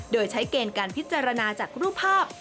โดยใช้เกณฑ์การพิจารณาจากรูปภาพ